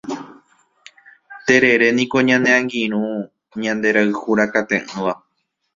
Tereréniko ñane angirũ ñanderayhurakate'ỹva.